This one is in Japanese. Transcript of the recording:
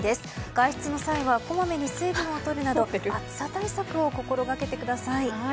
外出の際はこまめに水分をとるなど暑さ対策を心掛けてください。